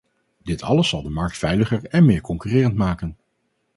Dit alles zal de markt veiliger en meer concurrerend maken.